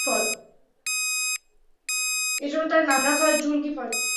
এজন্যে তার নাম রাখা হয় যুল-কিফল।